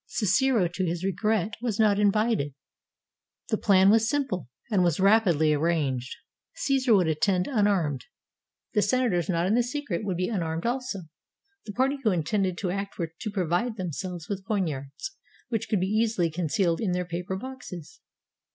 Cicero, to his regret, was not invited. The plan was simple, and was rapidly arranged. Caesar would attend unarmed. The senators not in the secret would be unarmed also. The party who intended to act were to provide them selves with poniards, which could be easily concealed in their paper boxes.